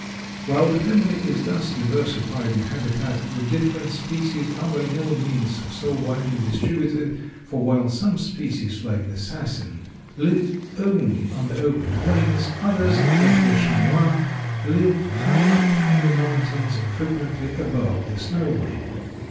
While the family is thus diversified in habitat, the different species are by no means so widely distributed, for while some species, like the sasin, live only on the open plains, others, like the chamois, live high up on the mountains, frequently above the snow line.